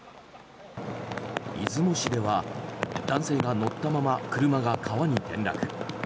出雲市では男性が乗ったまま車が川に転落。